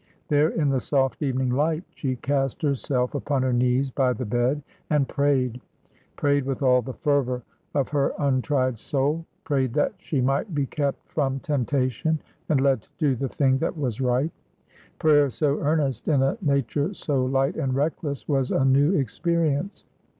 There, in the soft evening light, she cast herself upon her knees by the bed, and prayed : prayed with all the fervour of her untried soul, prayed that sue might be kept from temptation and led to do the thing that was right. Prayer so earnest in a nature so light and reckless was a new experience.